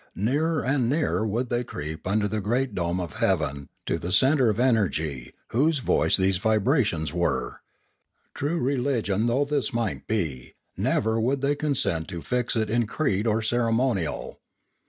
Nearer and nearer would they creep under the great dome of heaven to the centre of energy, whose voice these vibrations were. True religion though this might be, never would they consent to fix it in creed or cere monial.